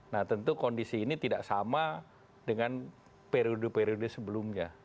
nah tentu kondisi ini tidak sama dengan periode periode sebelumnya